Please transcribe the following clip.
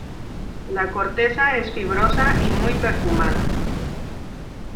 La corteza es fibrosa y muy perfumada.